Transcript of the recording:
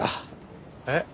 えっ！？